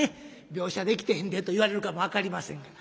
描写できてへんでと言われるかも分かりませんが。